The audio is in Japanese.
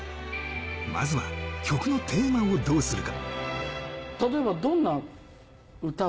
まずは曲のテーマをどうするか。